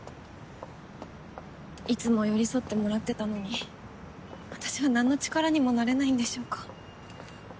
いつも寄り添ってもらってたのに私は何の力にもなれないんでしょうか。